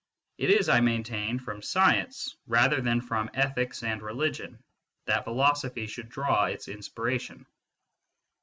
It is, I maintain, from science, rather than from ethics and religion, that philosophy should draw its inspiration.